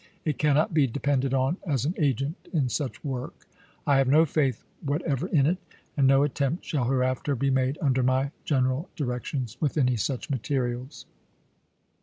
It cannot be depended on as an agent in such work. I have no faith whatever in it, and no CONSPIEACIES m THE NORTH 23 attempt shall hereafter be made under my gen chap.i. eral directions with any such materials."